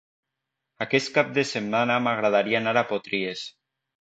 Aquest cap de setmana m'agradaria anar a Potries.